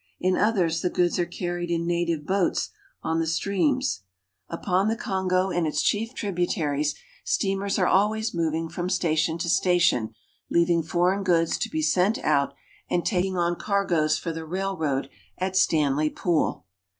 In others the goods are car ried in native boats on the streams. Upon the Kongo I 4 242 AFRICA aad its chief tributaries steamers are always moving from station to station, leaving foreign goods to be sent out, and taking on cargoes for the railroad at Stanley Pool.